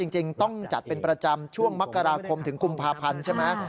จริงต้องจัดเป็นประจำช่วงมกราคมถึงกุมภาพันธ์ใช่ไหม